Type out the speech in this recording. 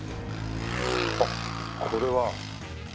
あっこれは。